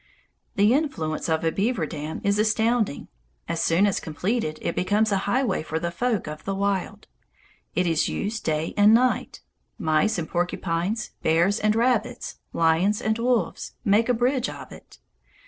The influence of a beaver dam is astounding. As soon as completed, it becomes a highway for the folk of the wild. It is used day and night. Mice and porcupines, bears and rabbits, lions and wolves, make a bridge of it.